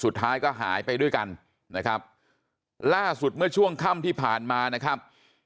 สุดท้ายก็หายไปด้วยกันนะครับล่าสุดเมื่อช่วงค่ำที่ผ่านมานะครับ